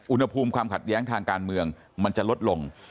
อุณหภูมิความขัดแย้งทางการเมืองมันจะลดลง